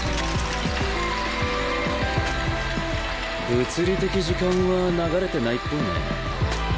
物理的時間は流れてないっぽいね。